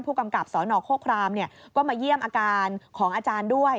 กำกับสนโคครามก็มาเยี่ยมอาการของอาจารย์ด้วย